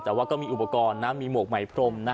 แต่ว่าก็มีอุปกรณ์นะมีหมวกใหม่พรมนะ